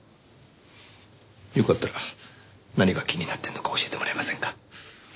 よかったら何が気になってるのか教えてもらえませんか？